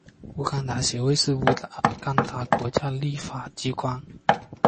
乌干达议会是乌干达的国家立法机关。